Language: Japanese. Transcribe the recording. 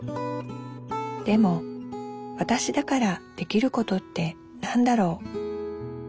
でもわたしだからできることって何だろう？